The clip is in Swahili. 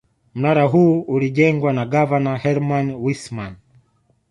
Mnara huu ulijengwa na gavana Herman Wissman